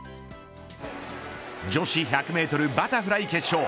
女子１００メートルバタフライ決勝。